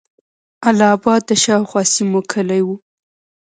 اله آباد د شاوخوا سیمو کیلي وه.